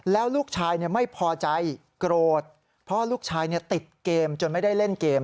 แล้วลูกชายไม่พอใจโกรธเพราะลูกชายติดเกมจนไม่ได้เล่นเกม